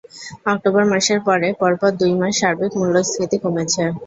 October মাসের পরে পরপর দুই মাস সার্বিক মূল্যস্ফীতি কমেছে।